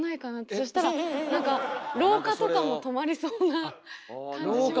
そしたら何か老化とかも止まりそうな感じしませんか？